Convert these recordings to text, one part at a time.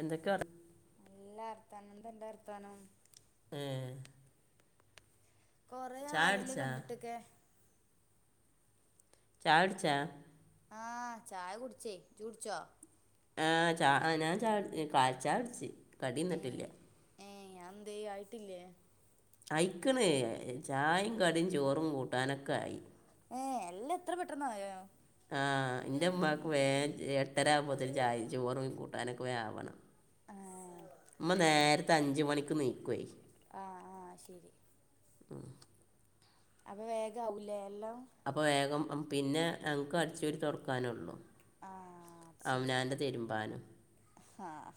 എന്തൊക്കെ വർ- നല്ലർത്താനം എന്തൻ്റെർത്താനം ഏഹ് കൊറേ ചായ ആയല്ലോ അടിച്ചാ കണ്ടിട്ടൊക്കെ ചായുട്ച്ചാ ആഹ് ചായ കുടിച്ചേ ജ്ജ് കുട്ച്ചോ ആഹ് ചാ ഞാൻ ച കാലി ചായുട്ച്ച് കടിന്നിട്ടില്ല ഏഹ്യ് അതെന്തെ ആയിട്ടില്ലേ അയിക്കണ് ചായും കടിം ചോറും കൂട്ടാനൊക്കെ ആയി ഏഹ് എല്ലാത്ര പെട്ടന്നായോ ആഹ് ഇൻ്റമ്മാക്ക് വേം എട്ടരാവുമ്പോത്തിന് ചായിം ചോറും കൂട്ടാനൊക്കെ വേ ആവണം ആഹ് മ്മ നേരത്തെ അഞ്ച് മണിക്ക് നീക്കുവേ ആ ആഹ് ശരി ഉം അപ്പോ വേഗാവുല്ലേ എല്ലാം അപ്പോ വേഗം പിന്നെ ഞങ്ങക്കടിച്ചോരി തൊട്ക്കാനുള്ളു ആഹ് ശരി ആഹ്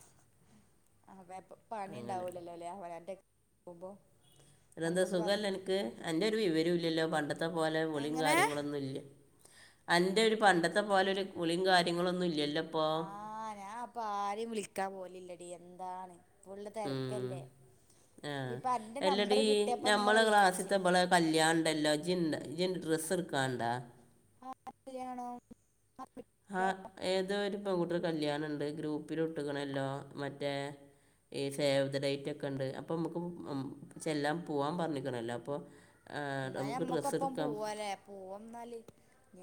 ആപ്പ പണി അങ്ങനെ ഉണ്ടാവൂലല്ലോല്ലെ അവനാ ൻ്റെ -കുമ്പോ ഇതെന്താ സുഖല്ലൻക്ക് അൻ്റൊരു വിവരൂല്ലല്ലോ പണ്ടത്തെ പോലെ വിളിം എങ്ങനെ കാര്യങ്ങളൊന്നുംല്ല അന്റെ ഒരു പണ്ടത്തെ പോലെ ഒരു വുളിം കാര്യങ്ങളൊന്നും ഇല്ലല്ലോ ഇപ്പോൾ ആഹ് ഞാപ്പൊ ആരിം വിളിക്കാൻ പോലില്ലടി എന്താണ് ഫുള്ള് തെർക്കല്ലേ ആ ഇപ്പ അന്റെ നമ്പർ കിട്ടിയപ്പങ്ങനെ വിളിച് കല്യാണണ്ടല്ലോ ജിൻ ജിൻ് ഡ്രസ്സ്ടുക്കാണ്ടാ [unintelligible] ല്യാണം? ആ ഏതോ ഒരു പെൺകുട്ടർ കല്യാണുണ്ട് ഗ്രൂപ്പിലിട്ടിക്കണല്ലോ മറ്റേ ഈ സേവ് ദെ ഡൈറ്റ് ഒക്കെ ഉണ്ട് അപ്പൊ നമുക്ക് ചെല്ലാം പോവാൻ പറഞ്ഞിക്കണല്ലോ അപ്പൊ ഇന്നാ നമ്മക്കൊപ്പം പോവ്വലേ പോവന്നാല്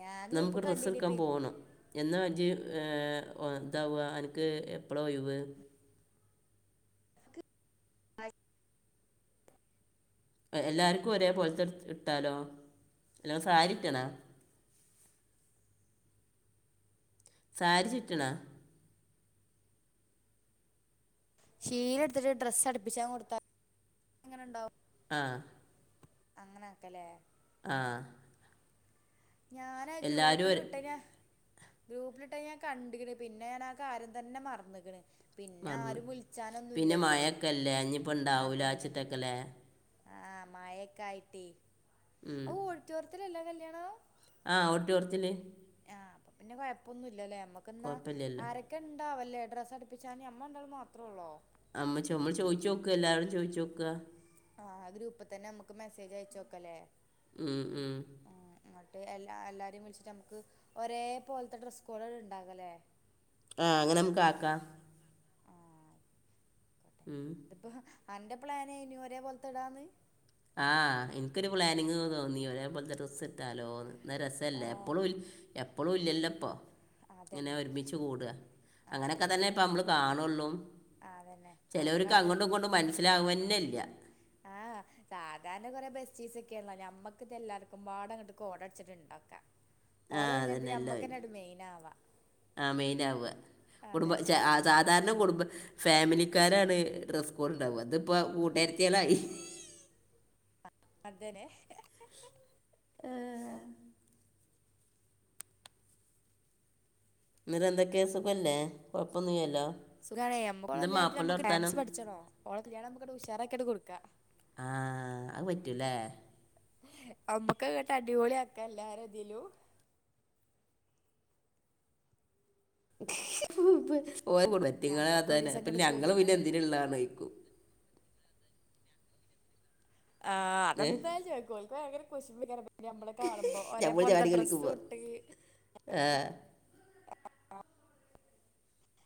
ഞാൻ നമുക്ക് ഗൂപ്പ് ഡ്രസ്സ് കണ്ടീനി എടുക്കാൻ പി പോകണം എന്നാ ജ് ഏ താവ അനക്ക് എപ്പളാ ഒയിവ് അ എല്ലാവർക്കും ഒരേ പോലത്തെത്ത് ഇട്ടാലോ എല്ല സാരി റ്റണോ സാരി ചുറ്റണോ ഷീല ടുത്തിട്ട് ഡ്രസ്സ് അടുപ്പിച്ചാൻ കൊടുത്താലോ അതെങ്ങനെണ്ടാവും ആഹ് അങ്ങനാക്കല്ലേ ആഹ ഞാനാ എല്ലാവരും ഗ്രൂപ്പില് ഒരു വിട്ടനാ ഗ്രൂപ്പിലിട്ടഅ ഞാൻ കണ്ട്ക്ണ് പിന്നെ ഞാൻ ആ കാര്യം തന്നെ മറന്നിണ് മറന്ന് പിന്നാരും പിന്നെ വിളിച്ചാനൊന്നുല്ലല്ലോ മഴയൊക്കെയല്ലേ ഇനിയിപ്പോൾ ഉണ്ടാവില്ല അതെന്നെ വെച്ചിട്ടൊക്കെയല്ലേ ആഹ് മഴയൊക്കെ ആയിട്ടേ ഓഡിറ്റോറിയത്തിലല്ലേ കല്യണം ആഹ് ഓഡ്റ്റോറ്ത്തില് ആഹ് അപ്പൊ പിന്നെ കുഴപ്പൊന്നുല്ലലേ നമ്മക്ക്‌ന്നാ കുഴപ്പമില്ലല്ലോ ആരെ ഒക്കെണ്ടാവലേ ഡ്രസ്സ്‌ അട്പ്പിച്ചാന് നമ്മ രണ്ടാളും മാത്രോള്ളോ അമ്മ ഞമ്മൾ ചോദിച്ചു നോക്ക എല്ലാവരും ചോയ്ചോക ആ ഗ്രൂപ്പ് തന്നെ നമക്ക് മെസ്സേജ് അയച്ചോക്കലേ മ്മ് മ്മ് ആഹ് ഇന്നെട്ട് എല്ലാ എല്ലാരിം വിളിച്ചിട്ട് നമക്ക് ഒരേ പോലത്തെ ഡ്രസ്സ് കോഡാണ്ട് ഇണ്ടാക്കലേ ആഹ അങ്ങനെ മ്മക്ക് ആക്കാ ആഹ് ആയിക്കോട്ടെ ഉം ഇതിപ്പോ അൻ്റെ പ്ലാന് എയ്നു ഒരേ പോലത്തെടാന്ന് ആഹ് ഇൻക്കൊരു പ്ലാനിങ് തോന്നി ഒരേ പോലത്തെ ഡ്രസ്സ്‌റ്റാലോന്ന് ഇന്നാ രസല്ലേ ആഹ് എപ്പഴും എപ്പഴും ഇല്ലല്ല പ്പൊ ങ്ങനെ അതന്നെ ഒരുമിച്ച് കൂട അങ്ങനെയൊക്കെ അതന്നെ തന്നെ ഇപ്പ നമ്മള് കാണുള്ളൂ അതന്നെ ചെലോര്ക്ക് നമുക്കട് അങ്ങോട്ടും ഇങ്ങട്ടും മനസ്സിലാവെന്നെ ഇല്ല ഉ ആഹ് [unintelligible] സാധാരണ കൊറെ ബസ്റ്റീസ് ഒക്കെയാണല്ലോ ഞമ്മക്കിത് എല്ലാർക്കും പാടങ്ങട്ട് കോഡ് അട്ച്ച്ട്ട് ഇണ്ടാക്ക [unintelligible] ആ അതന്നെ എല്ലാരും മെയിനാവാ ആ മെയിൻ ആവ കുടുംബ അതന്നെ സാധാരണ കുടുംബ ഫാമിലിക്കാരാണ് ഡ്രസ്സ് കോടുണ്ടാവ തിപ്പോ കൂട്ടുകരുത്തിയാളായി അതനെ ഏഹ് ഇന്ന്ട്ട് എന്തേക്കെ കൊഴപ്പൊന്നുല്ലല്ലോ സുഖാണെ നമ്മക്കോളെ കല്ല്യാണത്തിന് നമക്ക് ഡാൻസ് പഠിച്ചണോ ഓളെ കല്യാണം നമ്മക്കാണ്ട് ഉഷാറക്കിണ്ട് കൊട്ക്ക ആഹ് അത് പറ്റുലേ അമ്മുക്കങ്ങട്ട് അടിപൊളിയാക്കെ എല്ലാര ഇതിലും ഓറ്റങ്ങള ഞമ്മക്ക് അതന്ന ഒരീസം അപ്പ ഇങ്ങട്ട് ഞങ്ങള് പിന്നെ കൂടിങ്ങാണ്ട് എന്തിനള്ളആണ് ചോയിക്കും ആഹ് ഏഹ് അതെന്തായാലു ചോയിക്കും ഓല്ക്ക്‌ ഭയങ്കര കുശുമ്പേക്കാരം [unintelligible] ഓല് ഞമ്മളെ കാണുമ്പോ ഒരേ പോലത്തെ ഡ്രസ്സൂട്ട് ഏഹ് ആഹ ആ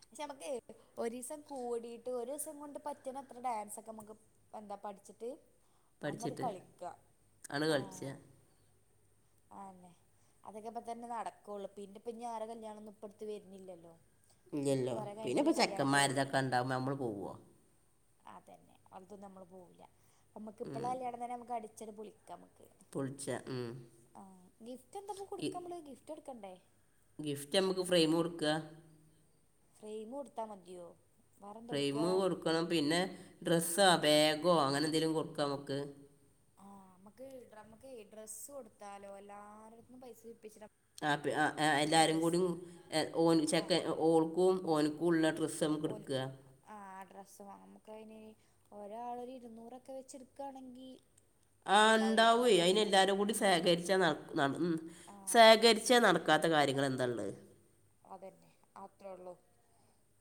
പക്ഷെ നമ്മക്കെ ഒരീസം കൂടിട്ട് ഒര്സം കൊണ്ട് പറ്റ്ണ അത്ര ഡാൻസൊക്കെമ്മക്ക് ഇപ്പന്താ പഠിച്ചിട്ട് അന്നാണ്ട് പഠിച്ചിട്ട് കളിക്ക ആണ് കളിച്ച ആഹ് അതെന്നെ അതൊക്കെപ്പത്തെന്നെ നടക്കൊള്ളൂ പിന്നെപ്പഞ്ഞ് ആര കല്ല്യാണോന്നും ഇപ്പട്ത്ത് വര്ന്ല്ലല്ലോ ഇല്ലല്ലോ പിന്നെപ്പോ ചെക്കന്മാര്തൊക്കെ ഇണ്ടാവുമ്പോ നമ്മള് പോവോ ആതന്നെ അതന്നുംമ്മ പോവൂല്ല നമ്മുക്ക് ഇപ്പള അല്യാണം തന്നെ നമുക്ക് അടിച്ചല് പൊളി നമക്ക് പൊളിച്ച ഉം. ആ ഗിഫ്റ്റ് എന്താപ്പ ഈ കൊടുക്കാ നമ്മള് ഗിഫ്റ്റ് എടുക്കണ്ടേ ഗിഫ്റ്റ് നമുക്ക് ഫ്രെയിം കൊടുക്ക ഫ്രെയിം കൊടുത്താൽ മതിയോ വേറെന്താ ഫ്രെയിം കൊടുക്കാ കൊടുക്കണം പിന്നെ ഡ്രസ്സോ ബാഗോ അങ്ങനെ എന്തെങ്കിലും കൊടുക്കാം നമുക്ക് ആഹ് നമ്മുക്ക് നമ്മുക്ക് ഡ്രസ്സ് കൊടുത്താലോ എല്ലാരടുത്തും പൈസ വിരിപ്പിച്ചിട്ട ആ [unintelligible] എല്ലാവാരും കൂടി ഓ ചെക്ക ആഹ് ഓൾക്കും ഓനക്കൂ ഉള്ള ഡ്രസ് സം ഓന് കൊടുക ആഹ് ഡ്രസ്സ് നമുക്ക് അന് ഓരോ ആളൊരു ഇരുന്നൂറൊക്കെ വെച്ചെടുക്കയാണെങ്കിൽ ആ ഉണ്ടാവേ അയിന് എല്ലാരും കൂടി ശേഖരിച്ചാ ന നടന്ന് ആഹ് സേഖരിച്ചാ നടക്കാത്ത കാര്യങ്ങൾ എന്താള്ളത് അതന്നെ അത്രേ ഉള്ളൂ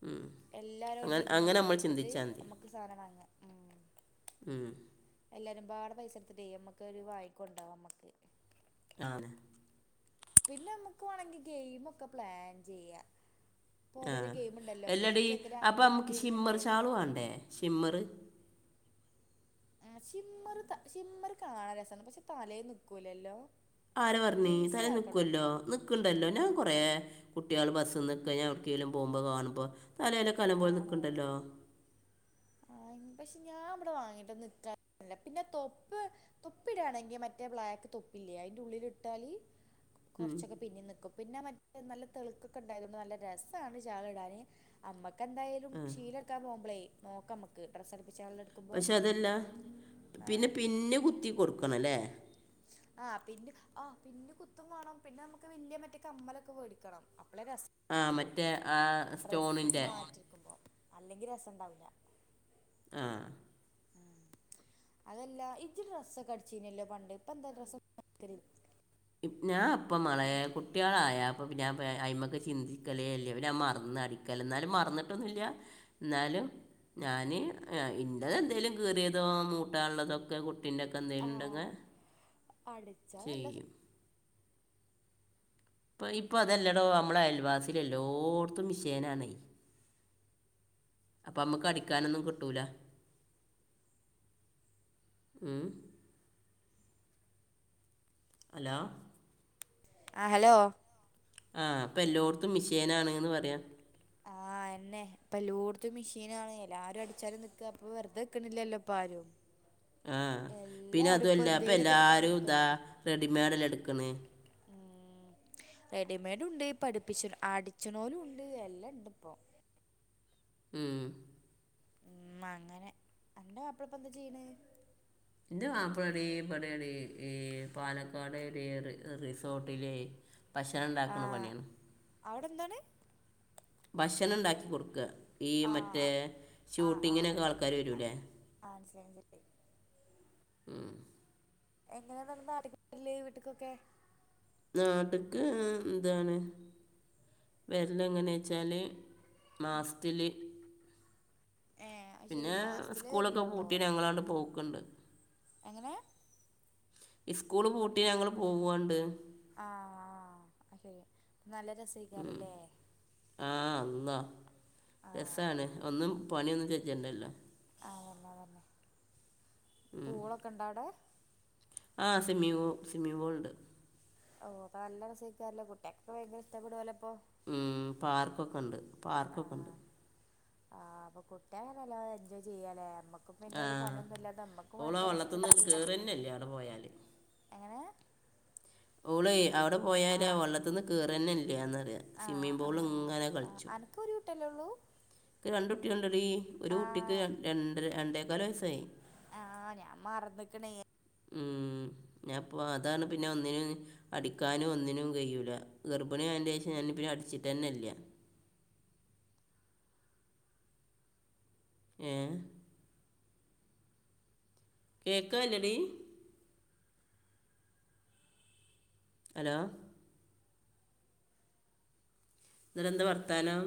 ഉം. എല്ലാരും ന്നിണ്ടി അങ്ങനെ അങ്ങനെ ഇരുന്നൂറ്പ്യ നമ്മൾ ഇട്ടിട്ട് ചിന്തിച്ചാൽ മതി നമ്മുക്ക് സാധനം വാങ്ങ ഉം ഉം എല്ലാരും പാട് പൈസ എടുത്തിട്ടെ നമ്മക്ക് ഒരു വാങ്ങിക്കോണ്ടാവാം നമ്മുക്ക് ആന പിന്നെ നമ്മുക്ക് വേണമെങ്കിൽ ഗെയിം ഒക്കെ പ്ലാൻ ചെയ്യാ ആഹ് എല്ലടി ചെക്കനും അപ്പം അങ്ങോട്ടും നമ്മുക്ക് ഇങ്ങോട്ടും ഷിമ്മർ ഇരുന്നിട്ട് ഷാള് വേണ്ടേ സിമ്മറ് ഷിമ്മറ് ത ഷിമ്മർ കാണാൻ രസമാണ് പക്ഷെ തലേ നിക്കൂലേല്ലോ ആര പറഞ്ഞി തല നിക്കുവല്ലോ നിക്കണ്ടല്ലോ ഞാൻ കൊറേ കുട്ടികൾ ബസ്സിന് ഇപ്പോ ഞാൻ എവിട്കേലും പോകുമ്പോ കാണുമ്പോ തലേയിലൊ നല്ലപോലെ ആണോ നിക്കണ്ടല്ലോ ആഹ് പക്ഷെ ഞാൻ ഇവടെ വാങ്ങിയിട്ടൊന്നും ഇത്ര [inaudible] പിന്നെ തൊപ്പെ തൊപ്പിടാണെങ്കി മറ്റേ ബ്ലാക്ക് തൊപ്പില്ലേ അതിന്റെ ഉള്ളിലിട്ടാല് ഉം. കുറച്ചൊക്കെ പിന്നെനിക്കും പിന്നെ മറ്റേ നല്ല തെളുക്കൊക്കെ ഇണ്ടായതൊണ്ട് നല്ല രസമാണ് ഷാളി ഇടാന് അമ്മക്കെന്തായാലും ശീലടുക്കാൻ പോകുമ്പോളേ നോക്ക നമ്മക്ക് ഡ്രസ്സ് അടുപ്പിച്ച പക്ഷെ അതെല്ല പിന്നെ പിന്ന് കുത്തി കൊടുക്കണ അല്ലേ ആഹ് പിന്നെ ആഹ് പിന്ന് കുത്തും വേണം പിന്നെ നമുക്ക് വലിയ മറ്റേ കമ്മലൊക്കെ മേടിക്കണം അപ്പളെ രസ ആഹ് ഉള്ളൂ മറ്റേ ആഹ് സ്റ്റോണിൻ്റെ ക്കുമ്പോ അല്ലെങ്കി രസം ഉണ്ടാവില്ല ആഹ് ഉം അതെല്ല ഇജ്ജ് ഡ്രസ്സക്കെടിച്ചീനല്ലോ പണ്ട് ഇപ്പ എന്താ ഡ്രസ്സക്ക ഞാൻ അപ്പം മളെ കുട്ടികളായ അപ്പം പിന്നെ അയിമക്ക് ചിന്തിക്കലേ ഇല്ലേ പിന്ന ഞാൻ മറന്നാടി ക്കല് എന്നാലും മറന്നിട്ടൊന്നുമില്ല എന്നാലും ഞാന് ഇൻ്റെ എന്തേലും കീറിയതോ മൂട്ട ഉള്ളതൊക്കെ കുട്ടീൻ്റെയൊക്കെ എന്തേങ്കലും ഉണ്ടെങ്കി അടി ചെയ്യും ഇപ്പം ഇപ്പം അതെല്ലാടോ നമ്മളെ അയൽവാസിൽ എല്ലോയിടത്തും മിഷേനാണേ അപ്പൊ അമ്മുക്ക് അടിക്കാനൊന്നും കിട്ടൂല ഉം ഹലോ ആഹ് ഹലോ ആഹ് അപ്പ എല്ലോടുത്തും മിഷേനാണ്ന്ന് പറയ ആഹ് എന്നെ ഇപ്പ ലൂടത്ത് മെഷീൻ ആണ് എല്ലാരും അടിച്ചാലും നിക്കുവ അപ്പൊ വെറുത വെക്കണില്ലല്ലോ ഇപ്പ ആരും ആഹ് പിന്നെ എല്ലാരും ഇപ്പൊ അതുമല്ല അപ്പം എന്തേലൊക്കായിട്ട് എല്ലാവരും ഇതാ പണിട്ത്തോണ്ട്ക്കാ റെഡിമെഡ് എല്ലേ എടുക്കണേ ഉം റെഡിമെഡ് ഉണ്ട് പഠിപ്പിച്ച അടിച്ചണോലും ഉണ്ട് എല്ലാം ഇണ്ട്പ്പൊ ഉം ഉം അങ്ങനെ അന്റെ മാപ്പള എന്താ ചെയ്യണേ എൻ്റെ മാപ്പള ടി ഇബടെ ടീ ഈ പാലക്കാട് ഒരു റിസോർട്ടിലെ ഭക്ഷണം ഉണ്ടാക്കുണ പണിയാണ് അവിടെന്താണ് ഭക്ഷണം ഉണ്ടാക്കി കൊടുക്കുക ഈ ആഹ് മറ്റേ ഷൂട്ടിങ്ങിനൊക്കെ ആൾക്കാര് വരുല്ലേ ആ മനസിലായി മസി ഉം എങ്ങനെയ അന്നേരം നാട്ടിക്ക് വരല് വീട്ടിക്കൊക്കെ നാട്ടിക്ക്‌ എന്താണ് വെരല് എങ്ങനെ വച്ചാല് മാസത്തില് ഏഹ് അത് ശരി പിന്നെ മാസത്തിലേ സ്കൂളൊക്കെ വരലുള്ളോ പൂട്ടി ഞങ്ങളാണ്ട് പോക്ക്‌ണ്ട് എങ്ങനെ സ്കൂള് പൂട്ടിയ ഞങ്ങൾ പോവും ആണ്ട് ആഹ് ആഹ് അതെ നല്ല രസയ്ക്കാരല്ലേ ആഹ് അള്ളാ രസാണ് ആഹ് ഒന്നും പണിയൊന്നും ചെജണ്ടല്ലോ ആഹ് അതന്നെ അതന്നെ പൂളൊക്കെ ഉണ്ടോ അവിടെ ആഹ് സിമ്മീം പു സിമ്മിംഗ് പൂൾ ഉണ്ട് ഓ അപ്പൊ നല്ല രസയികരല്ലോ കുട്ടിയോക്കൊക്കെ ഭയങ്കര ഇഷ്ടപ്പെടുവല അപ്പൊ മ് പാർക്കൊക്കെണ്ട് പാർക്കൊക്കെ ണ്ട് ആഹ് ആഹ് അപ്പൊ കുട്ടിയാൾക്ക് എല്ലാ നല്ല എൻജോയ് ചെയ്യാലേ നമ്മ ക്കും പിന്നെ ആ ഒരു പണിയൊന്നുല്ലാത നമ്മക്കും ഓളാ വെറുത റസ്റ്റ് വെള്ളത്തിൽ നിന്ന് എടുത്ത്. കയറി തന്നെ ഇല്ല അവിടെ പോയാൽ എങ്ങനെ ഓളെയ് അവിടെ പോയാല് ആ ആഹ് വള്ളത്തിന്ന് കേറന്നെല്ല്യന്നറിയാ സ്വിമ്മിംഗ് പൂളില് ങ്ങനെ കളിച്ചും ക്ക് ഒരു കുട്ട്യല്ലേ ഉള്ളൂ ക്ക്‌ രണ്ട് കുട്ടിയള്ണ്ടെടീ ഒരു ആ കുട്ടിക്ക് രണ്ടര രണ്ടേകാല് വയസായി ആഹ് ഞാൻ മറന്നിക്ക്ണേ ഉം ഞാപ്പ അതാണ് പിന്നെ ഒന്നിനും അടിക്കാനും ഒന്നിനും കഴിയൂല. ഗർഭിണി ആയേന്റെ ഷം ഞാൻ പിന്നെ അടിച്ചിട്ടെന്നെല്ല ഏഹ് കേക്കാല്ലടി ഹലോ ഇന്നട്ടെന്താ വർത്താനം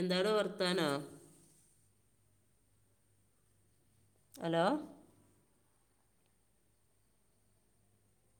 എന്താടോ വർത്താനം ഹലോ